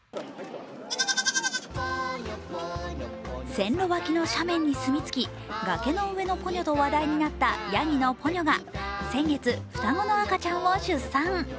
線路脇の斜面に住みつき崖の上のポニョと話題になったヤギのポニョが先月、双子の赤ちゃんを出産。